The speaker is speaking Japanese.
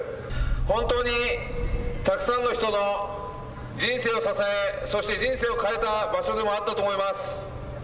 本当にたくさんの人の人生を支えそして、人生を変えた場所でもあったと思います。